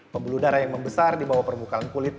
pembuluh darah yang membesar di bawah permukaan kulit